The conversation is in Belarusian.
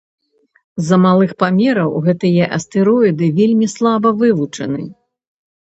З-за малых памераў гэтыя астэроіды вельмі слаба вывучаны.